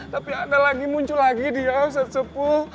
tapi ada lagi muncul lagi dia ustadz sepul